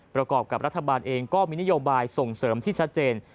ประกอบกับรัฐบาลเองก็มีนโยบายส่งเสริมที่ชัดเจน